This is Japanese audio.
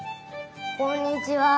こんにちは！